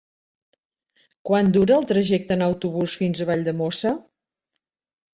Quant dura el trajecte en autobús fins a Valldemossa?